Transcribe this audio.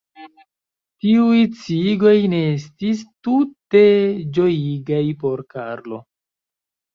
Tiuj sciigoj ne estis tute ĝojigaj por Karlo.